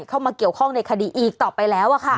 เข้ามาเกี่ยวข้องในคดีอีกต่อไปแล้ว